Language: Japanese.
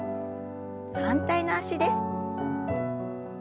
反対の脚です。